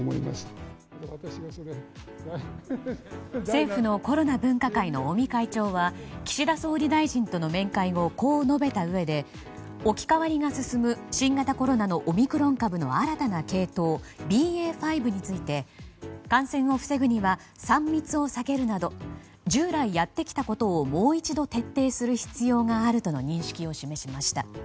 政府のコロナ分科会の尾身会長は岸田総理大臣との面会後こう述べたうえで置き換わりが進む新型コロナのオミクロン株の新たな系統ＢＡ．５について感染を防ぐには３密を避けるなど従来やってきたことをもう一度徹底する必要があるとの認識を示しました。